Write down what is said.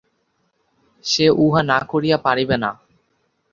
সে উহা না করিয়া পারিবে না।